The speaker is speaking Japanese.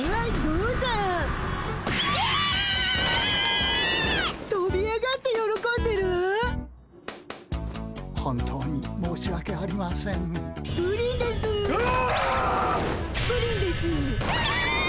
うわ！